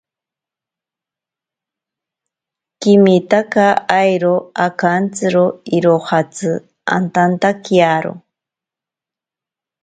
Kimitaka airo akantsiro irojatsi antantakiaro.